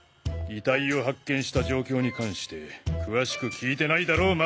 遺体を発見した状況に関して詳しく聞いてないだろ！